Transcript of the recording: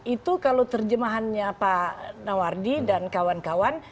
itu kalau terjemahannya pak nawardi dan kawan kawan